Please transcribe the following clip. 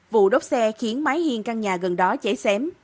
vụ đốt xe khiến máy hiên căn nhà gần đó cháy xém